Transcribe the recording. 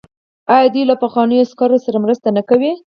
آیا دوی له پخوانیو عسکرو سره مرسته نه کوي؟